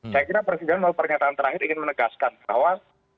saya kira presiden melalui pernyataan terakhir ingin menegaskan bahwa